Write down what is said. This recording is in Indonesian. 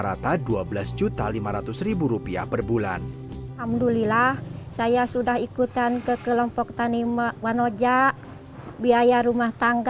rata dua belas juta lima ratus ribu rupiah perbulan alhamdulillah saya sudah ikutan ke kelompok tani wanoja biaya rumah